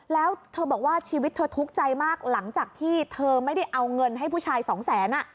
แล้วเธอบอกว่าชีวิตเธอทุกข์ใจมากหลังจากที่เธอไม่ได้เอาเงินให้ผู้ชายสองแสน